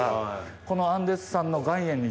このアンデス産の岩塩に。